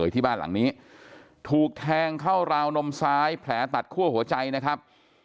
ถูกแทงเข้าราวนมซ้ายแผลตัดคั่วหัวใจนะครับ